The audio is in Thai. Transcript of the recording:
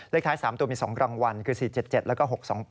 ท้าย๓ตัวมี๒รางวัลคือ๔๗๗แล้วก็๖๒๘